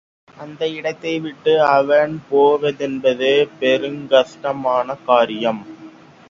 அந்த இடத்தைவிட்டு அவன் போவதென்பது பெருங்கஷ்டமான காரியம்.